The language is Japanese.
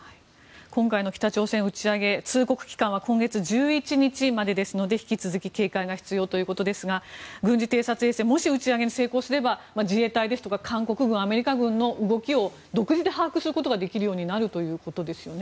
今回の北朝鮮打ち上げ通告期間は今月１１日までですので引き続き警戒が必要ということですが軍事偵察衛星もし打ち上げに成功すれば自衛隊ですとか韓国軍、アメリカ軍の動きを独自で把握することができるようになるということですよね。